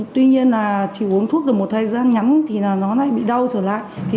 tuy nhiên chỉ uống thuốc được một thời gian nhắn nó lại bị đau trở lại